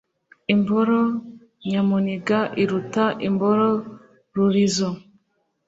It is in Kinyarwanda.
Imboro nyamuniga iruta imboro rurizo